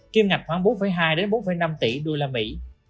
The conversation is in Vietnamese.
kim ngạch khoảng bốn hai bốn năm tỷ đô la mỹ